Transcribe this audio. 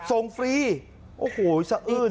ฟรีโอ้โหสะอื้น